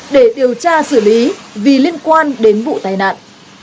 để điều tra xử lý vì liên quan đến vụ tai nạn